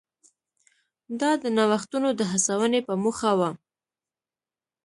دا د نوښتونو د هڅونې په موخه و.